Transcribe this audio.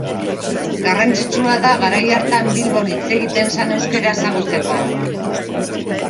Garrantzitsua da garai hartan Bilbon hitz egiten zen euskara ezagutzeko.